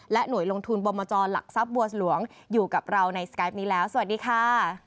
หน่วยลงทุนบอมจรหลักทรัพย์บัวหลวงอยู่กับเราในสกายปนี้แล้วสวัสดีค่ะ